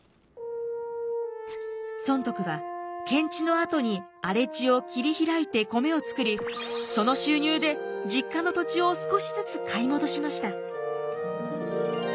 尊徳は検地のあとに荒れ地を切り開いて米を作りその収入で実家の土地を少しずつ買い戻しました。